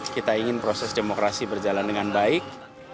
kita ingin proses demokrasi berjalan dengan baik